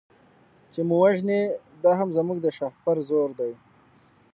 چي مو وژني دا هم زموږ د شهپر زور دی